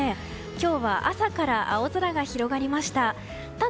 今日は朝から青空が広がりました。